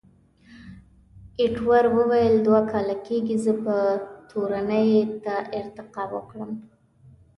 ایټور وویل، دوه کاله کېږي، زه به تورنۍ ته ارتقا وکړم.